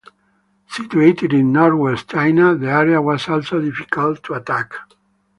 Situated in northwest China, the area was also difficult to attack.